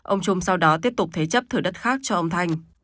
ông trung sau đó tiếp tục thế chấp thửa đất khác cho ông thanh